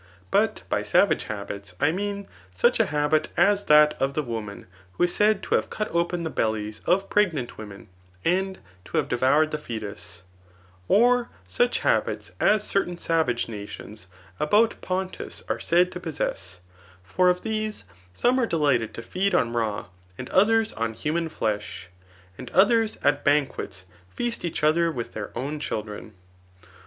But by Savage habits, I mean such a habit as that of the woman who is said to have cut open the bellies of preg* nant women, and to have devoured the foetus ; or snch habits as certain savage nations about Pontus are said to possess^ For of these, some are delighted to feed on raw, and others on human flesh, and others at banquets feast each other with their own children.